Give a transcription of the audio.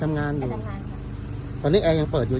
จะเป็นอันตรายกับเด็กใช่ไหมครับยังไม่รู้